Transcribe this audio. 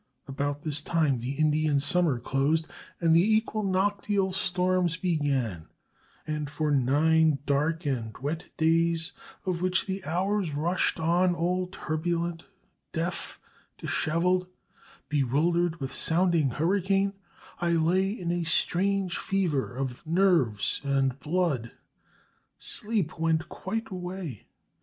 About this time the Indian summer closed, and the equinoctial storms began; and for nine dark and wet days, of which the hours rushed on all turbulent, deaf, dishevelled bewildered with sounding hurricane I lay in a strange fever of the nerves and blood. Sleep went quite away.